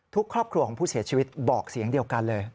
ครอบครัวของผู้เสียชีวิตบอกเสียงเดียวกันเลย